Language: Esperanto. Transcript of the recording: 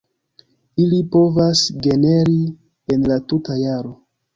Ili povas generi en la tuta jaro.